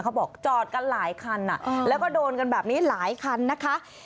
เขาบอกจอดกันหลายคันแล้วก็โดนกันแบบนี้หลายคันนะคะ